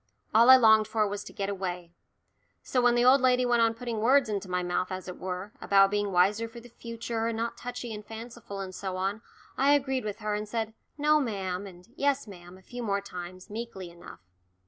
All I longed for was to get away. So when the old lady went on putting words into my mouth, as it were, about being wiser for the future, and not touchy and fanciful, and so on, I agreed with her and said "No, ma'am" and "Yes, ma'am" a few more times, meekly enough.